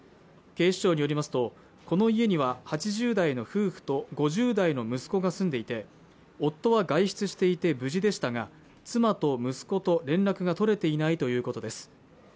警視庁によりますとこの家には８０代の夫婦と５０代の息子が住んでいて夫は外出していて無事でしたが妻と息子と連絡が取れていないということです